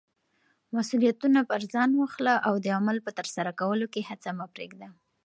مسولیتونه پر ځان واخله او د عمل په ترسره کولو کې هڅه مه پریږده.